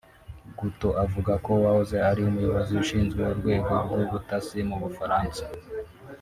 Gouteux avuga ko uwahoze ari Umuyobozi ushinzwe urwego rw’ubutasi mu Bufaransa